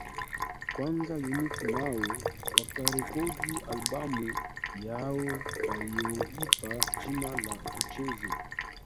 Kwanza Unit nao wakarekodi albamu yao waliyoipa jina la Tucheze